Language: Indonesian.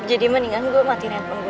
jadi mendingan gue matiin haircut gue aja